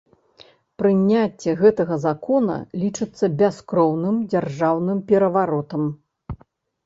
Прыняцце гэтага закона лічыцца бяскроўным дзяржаўным пераваротам.